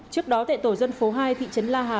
trước đó tại tổ dân phố hai thị trấn la hà